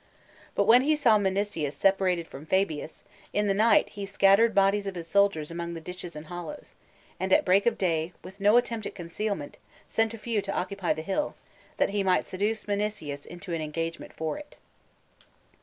But when he saw Minucius separated from Fabius, in the night he scattered bodies of his soldiers among the ditches and hollows,? and at break of day, with no attempt at concealment, sent a few to occupy the hill, that he might seduce Minucius into an engagement for it.